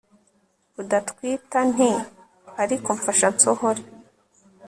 udatwitantiariko mfasha nsohore